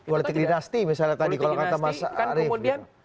politik dinasti misalnya tadi kalau kata mas arief